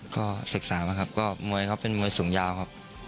ก็ศึกษานะครับก็มวยเขาเป็นมวยสูงยาวครับ